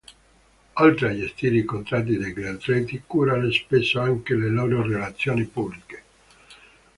Oltre a gestire i contratti degli atleti, curano spesso anche le loro relazioni pubbliche.